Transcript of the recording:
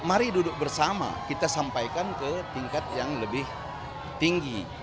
mari duduk bersama kita sampaikan ke tingkat yang lebih tinggi